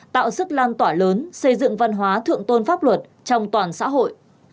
tạo sức lan tỏa lớn xây dựng văn hóa thượng tôn pháp luật trong toàn xã hội